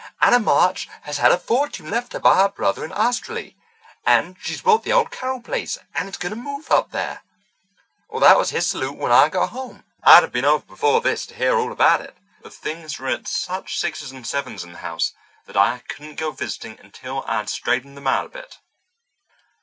'Anna March has had a fortune left her by her brother in Australy, and she's bought the old Carroll place, and is going to move up there!' That was his salute when I got home. I'd have been over before this to hear all about it, but things were at such sixes and sevens in the house that I couldn't go visiting until I'd straightened them out a bit.